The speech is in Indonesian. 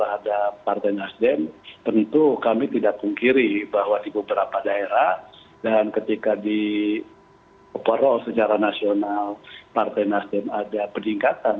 ada partai nasdem tentu kami tidak pungkiri bahwa di beberapa daerah dan ketika di overall secara nasional partai nasdem ada peningkatan